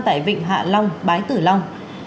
tại vịnh hạ long bái tử long